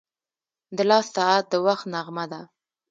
• د لاس ساعت د وخت نغمه ده.